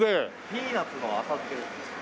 ピーナツの浅漬けです。